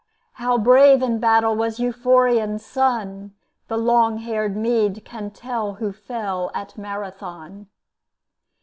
"How brave in battle was Euphorion's son, The long haired Mede can tell who fell at Marathon."